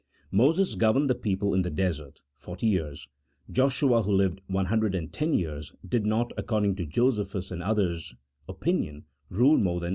Moses governed the people in the desert .. 40 Joshua, who lived 110 years, did not, according to Josephus and others' opinion rule more than